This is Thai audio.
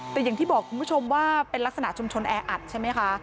แต่อย่างที่บอกคุณผู้ชมว่าเป็นลักษณะชุมชนแออัดใช่ไหมคะ